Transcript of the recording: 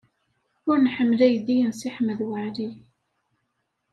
Ur nḥemmel aydi n Si Ḥmed Waɛli.